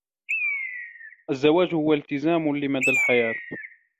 الزواج هو إلتزام لمدى الحياة.